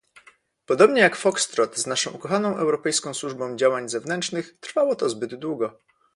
Podobnie jak fokstrot z naszą ukochaną Europejską Służbą Działań Zewnętrznych, trwało to zbyt długo